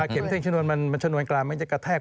เข็มเต้มชนวนชนวนกลางมันจะกระแทก